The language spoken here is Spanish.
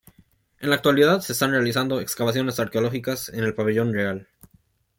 En la actualidad se están realizando excavaciones arqueológicas en el Pabellón Real.